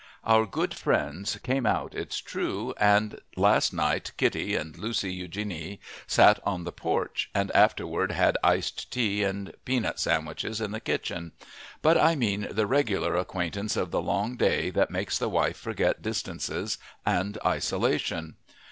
Our good friends came out, it's true, and last night Kittie and Lucy Eugenie sat on the porch, and afterward had iced tea and peanut sandwiches in the kitchen, but I mean the regular acquaintance of the long day that makes the wife forget distances and isolation.